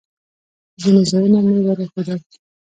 ځینې ځایونه مې ور وښوول.